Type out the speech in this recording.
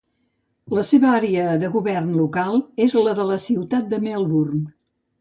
La seva àrea de govern local és la de la ciutat de Melbourne.